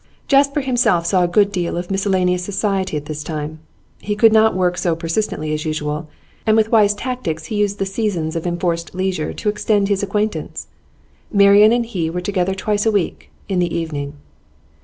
Jasper himself saw a good deal of miscellaneous society at this time. He could not work so persistently as usual, and with wise tactics he used the seasons of enforced leisure to extend his acquaintance. Marian and he were together twice a week, in the evening.